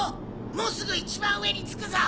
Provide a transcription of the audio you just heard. もうすぐ一番上に着くぞ！